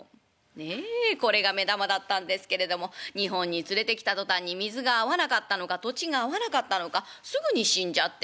ねえこれが目玉だったんですけれども日本に連れてきた途端に水が合わなかったのか土地が合わなかったのかすぐに死んじゃって。